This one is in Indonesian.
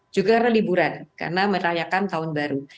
juga karena liburan karena merayakan tahun baru